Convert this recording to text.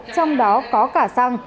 trong đó có cả xăng